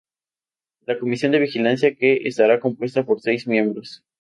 La Comisión de Vigilancia que estará compuesta por seis miembros.